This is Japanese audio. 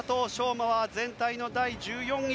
馬は全体の第１４位。